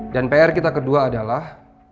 dan pr kita kedua adalah